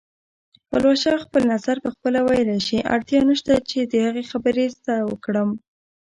پلوشه خپل نظر پخپله ویلی شي، اړتیا نشته چې د هغې خبرې زه وکړم